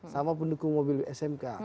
sama pendukung mobil smk